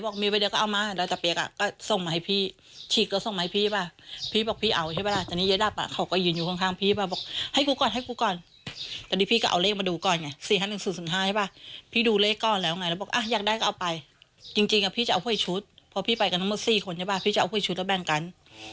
พอพี่ไปกันทั้งหมดสี่คนนะบ้างพี่จะเอาไว้ชุดแล้วแบ่งกัน